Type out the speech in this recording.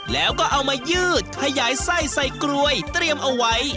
แล้วก็เอามายืดขยายไส้ใส่กลวยเตรียมเอาไว้